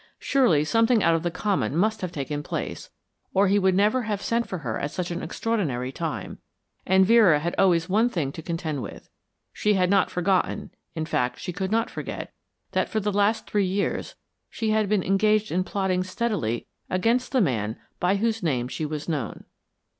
Surely something out of the common must have taken place, or he would never have sent for her at such an extraordinary time, and Vera had always one thing to contend with; she had not forgotten, in fact, she could not forget, that for the last three years she had been engaged in plotting steadily against the man by whose name she was known.